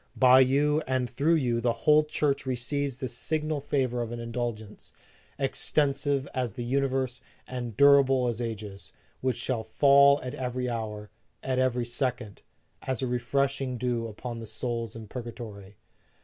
By you and through you the whole Church receives the signal favor of an indulgence, extensive as the universe and durable as ages, which shall fall at every hour, at every second, as a re freshing dew upon the souls in purgatory